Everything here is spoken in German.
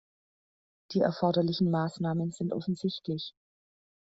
Die erforderlichen Maßnahmen sind offensichtlich.